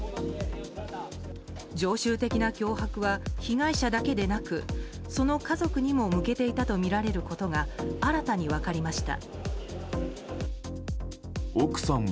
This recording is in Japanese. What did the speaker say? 常習的な脅迫は被害者だけでなくその家族にも向けていたとみられることが新たに分かりました。